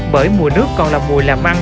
bởi mùa nước còn là mùa làm ăn